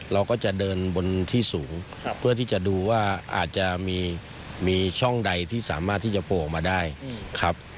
เราก็จะเดินบนที่สูงเพื่อที่จะดูว่าอาจจะมีช่องใดที่สามารถที่จะโผล่ออกมาได้ครับ